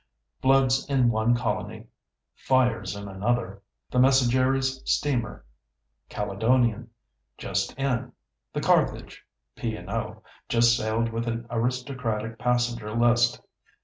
Floods in one colony, fires in another. The Messageries steamer Caledonien just in. The Carthage (P. and O.) just sailed with an aristocratic passenger list.